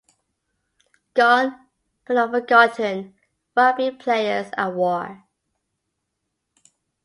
Gone But Not Forgotten, Rugby Players at War.